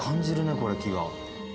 これ気が。